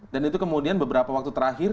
dan itu kemudian beberapa waktu terakhir